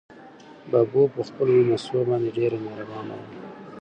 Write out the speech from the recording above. ببو په خپلو لمسو باندې ډېره مهربانه وه.